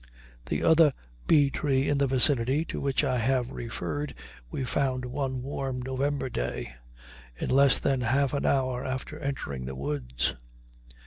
The other bee tree in the vicinity to which I have referred we found one warm November day in less than half an hour after entering the woods.